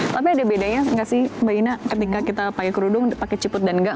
tapi ada bedanya nggak sih mbak ina ketika kita pakai kerudung pakai ciput dan enggak